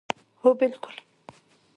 هو بلکل